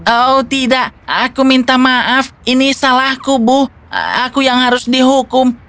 oh tidak aku minta maaf ini salah kubu aku yang harus dihukum